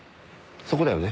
そこだよね？